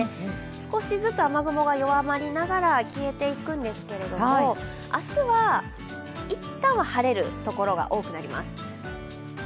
少しずつ雨雲が弱まりながら消えていくんですけども、明日はいったんは晴れるところが多くなります。